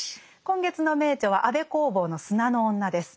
今月の名著は安部公房の「砂の女」です。